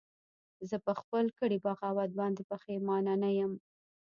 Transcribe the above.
زه په خپل کړي بغاوت باندې پښیمانه نه یم